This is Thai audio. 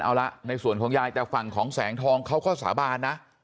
เอาละในส่วนของยายแต่ฝั่งของแสงทองเขาก็สาบานนะ